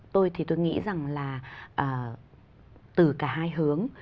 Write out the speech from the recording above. tôi thì tôi nghĩ rằng là từ cả hai hướng